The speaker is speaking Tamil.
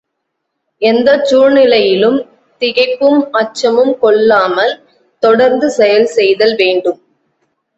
எந்தச் சூழ்நிலையிலும் திகைப்பும் அச்சமும் கொள்ளாமல் தொடர்ந்து செயல் செய்தல் வேண்டும்.